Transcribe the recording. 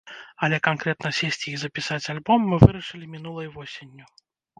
Але канкрэтна сесці і запісаць альбом мы вырашылі мінулай восенню.